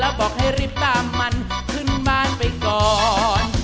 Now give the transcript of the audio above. แล้วบอกให้รีบตามมันขึ้นบ้านไปก่อน